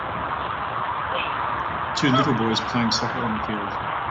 Two little boys playing soccer on a field.